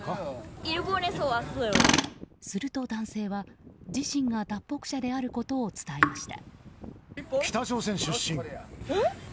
すると男性は、自身が脱北者であることを伝えました。